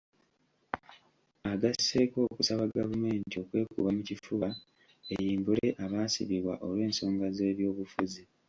Agasseeko okusaba gavumenti okwekuba mu kifuba eyimbule abaasibibwa olw'ensonga z'ebyobufuzi.